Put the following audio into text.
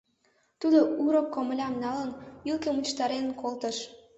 Тудо у рок комлям налын, ӱлкӧ мучыштарен колтыш.